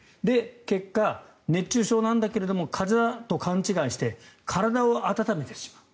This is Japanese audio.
結果、熱中症なんだけれど風邪だと勘違いして体を温めてしまう。